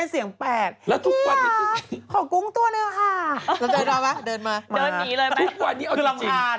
เอ๊ะพักกุ้งตัวหนึ่ง